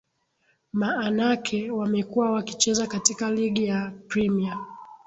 maanake wamekuwa wakicheza katika ligi ya premier